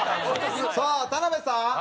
さあ田辺さん！